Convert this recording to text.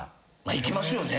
行きますよね。